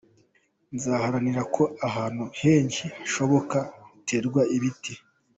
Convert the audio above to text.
Nzaharanira ko ahantu henshi hashoboka haterwa ibiti.